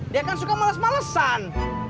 dia kan suka males malesan